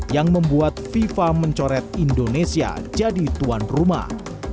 yang membuat fifa mencoret indonesia jadi tuan rumah